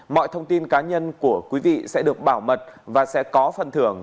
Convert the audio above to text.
mọi thông tin cá nhân của quý vị sẽ được bảo mật và sẽ có phần thưởng